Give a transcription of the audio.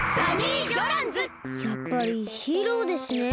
やっぱりヒーローですね。